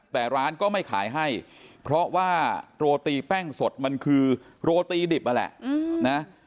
แต่ร้านก็ไม่ขายให้เพราะว่าโรตีแป้งสดมันคือโรตีดิบนั่นแหละนะ